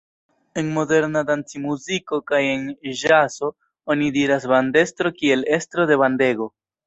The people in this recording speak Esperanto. En moderna dancmuziko kaj en ĵazo oni diras bandestro kiel estro de bandego.